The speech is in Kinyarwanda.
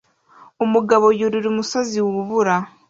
Umugabo yurira umusozi wubura